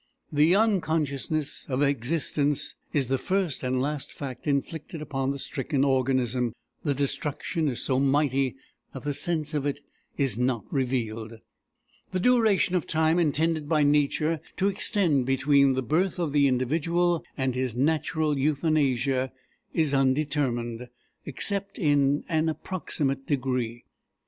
The unconsciousness of existence is the first and last fact inflicted upon the stricken organism: the destruction is so mighty, that the sense of it is not revealed. The duration of time intended by Nature to extend between the birth of the individual and his natural Euthanasia is undetermined, except in an approximate degree.